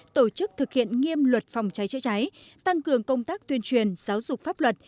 tổ chức thực hiện nghiêm luật phòng cháy chữa cháy tăng cường công tác tuyên truyền giáo dục pháp luật